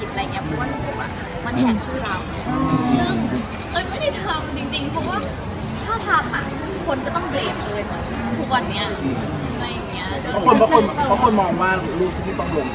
ตอนที่เขาโดนใช่มะค่ะก็แบบยังไงขึ้นขึ้นมานั่งลวมมาก